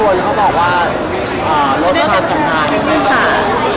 หรือเขาบอกว่าโลกชอตสำคัญ